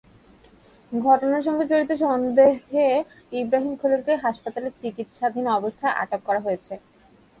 ঘটনার সঙ্গে জড়িত সন্দেহে ইব্রাহিম খলিলকে হাসপাতালে চিকিত্সাধীন অবস্থায় আটক করা হয়েছে।